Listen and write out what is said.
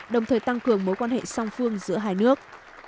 đồng thời tăng cường mối quan hệ song phương giữa hai nước